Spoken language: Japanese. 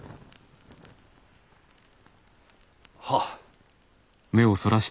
はっ。